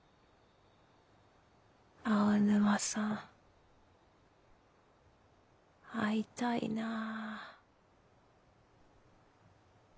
青沼さん会いたいなぁ。